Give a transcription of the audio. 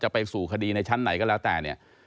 จะไปสู่ที่ในชั้นไหนก็แล้วแต่